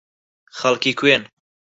خەڵکی کوێن؟